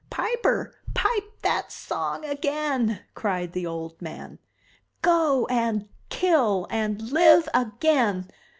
"Piper, pipe that song again!" cried the old man. "Go and kill and live again!